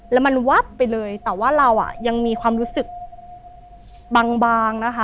แล้วมันวับไปเลยแต่ว่าเราอ่ะยังมีความรู้สึกบางนะคะ